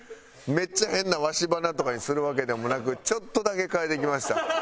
めっちゃ変な鷲鼻とかにするわけでもなくちょっとだけ変えてきました。